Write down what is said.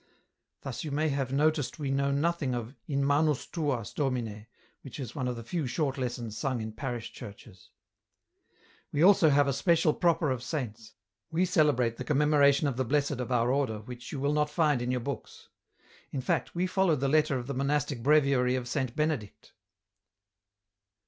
Thus you may have noticed we know nothing of ' In manus tuas, Domine,' which is one of the few short lessons sung in parish churches. " We have also a special Proper of Saints ; we celebrate the commemoration of the Blessed of our order which you will not find in your books. In fact we follow the letter of the monastic breviary of Saint Benedict."